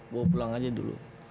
bawa pulang aja dulu